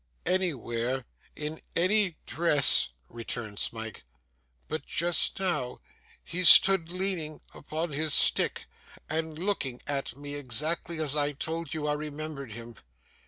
'Anywhere in any dress,' returned Smike; 'but, just now, he stood leaning upon his stick and looking at me, exactly as I told you I remembered him.